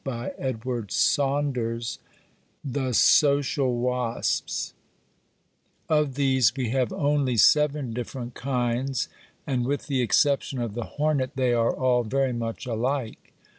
THE SOCIAL WASPS Of these we have only seven different kinds, and with the exception of the hornet they are all very much alike.